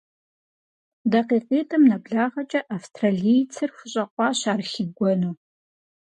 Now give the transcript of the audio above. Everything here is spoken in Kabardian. ДакъикъитӀым нэблагъэкӀэ австралийцыр хущӀэкъуащ ар хигуэну.